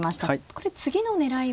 これ次の狙いは。